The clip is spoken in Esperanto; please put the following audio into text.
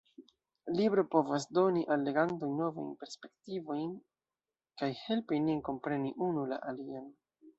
Libro povas doni al legantoj novajn perspektivojn kaj helpi nin kompreni unu la alian.